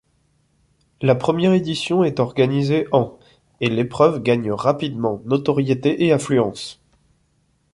La première édition est organisée en et l'épreuve gagne rapidement notoriété et affluence.